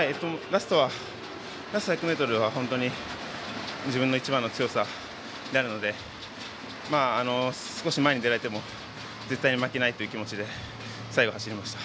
ラスト１００ｍは本当に自分の一番の強さであるので少し前に出られても絶対に負けないという気持ちで最後、走りました。